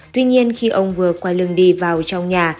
tuy nhiên khi ông vừa quay lưng đi vào trong nhà